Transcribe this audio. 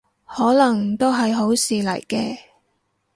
可能都係好事嚟嘅